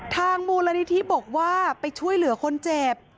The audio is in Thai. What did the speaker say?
ทางมูลนิธิบอกว่าไปช่วยเหลือคนเจ็บ